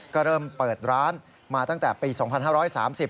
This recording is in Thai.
ก็เริ่มเปิดร้านมาตั้งแต่ปี๒๕๓๐